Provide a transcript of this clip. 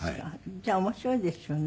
じゃあ面白いでしょうね。